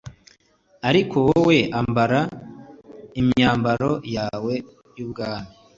ariko wowe ambara imyambaro yawe y’ubwami